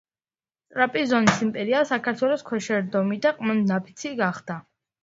ტრაპიზონის იმპერია საქართველოს ქვეშევრდომი და ყმადნაფიცი გახდა.